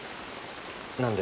何で？